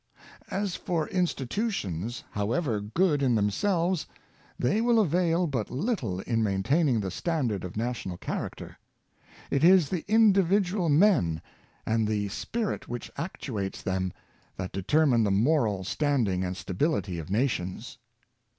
As for institutions, however good in themselves, they will avail but little in maintaining the standard of na tional character. It is the individual men, and the spi rit which actuates them, that determine the moral stand ing and stability of nations.